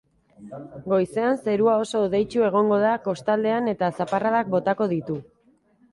Goizean zerua oso hodeitsu egongo da kostaldean eta zaparradak botako ditu.